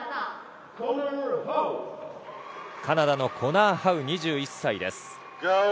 カナダのコナー・ハウ、２１歳。